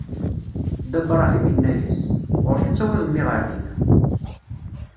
Dda Bṛahim inna-as: Ɣur-k ad tawiḍ mmi ɣer dinna!